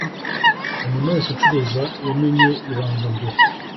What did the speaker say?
Umuntu wese ucuruza yamenye ibanga mbere